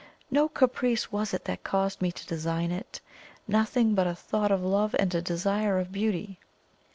No caprice was it that caused me to design it; nothing but a thought of love and a desire of beauty.